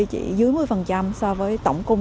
chỉ dưới một mươi so với tổng cung